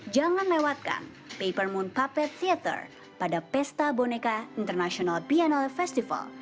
jangan lewatkan papermoon puppet theater pada pesta boneka international piano festival